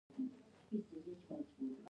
هغه په څنګ را وکتل: نه والله.